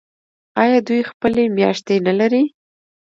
آیا دوی خپلې میاشتې نلري؟